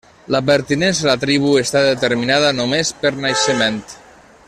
La pertinença a la tribu està determinada només per naixement.